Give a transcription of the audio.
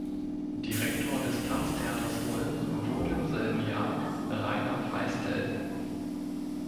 Direktor des Tanztheaters Ulm wurde im selben Jahr Reiner Feistel.